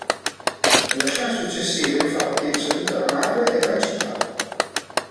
Nella scena successiva infatti saluta la madre e va in città.